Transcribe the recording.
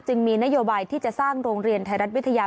มีนโยบายที่จะสร้างโรงเรียนไทยรัฐวิทยา